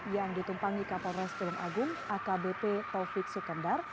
yang ditumpangi kapolres tulung agung akbp taufik sukendar